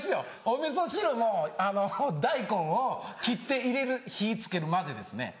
お味噌汁も大根を切って入れる火付けるまでですね。